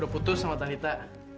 udah putus sama talita